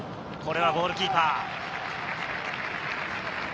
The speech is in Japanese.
これはゴールキーパー。